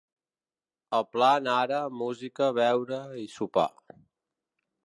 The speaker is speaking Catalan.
El plan ara, música, beure i sopar.